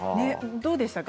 どうでしたか？